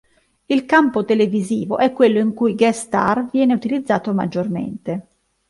Il campo televisivo è quello in cui guest star viene utilizzato maggiormente.